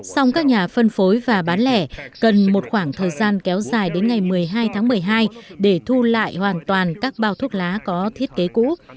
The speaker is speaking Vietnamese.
song các nhà phân phối và bán lẻ cần một khoảng thời gian kéo dài đến ngày một mươi hai tháng một mươi hai để thu lại hoàn toàn các bao thuốc lá có thiết kế cũ